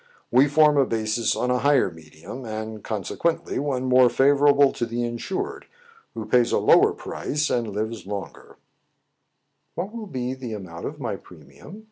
We form a basis on a higher medium, and, con 64 TRIBULATIONS OF A CHINAMAN, sequently, one more favorable to the insured, who pays a lo\yer price, and lives longer.*' "What will be the amount of my premium?"